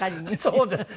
そうです。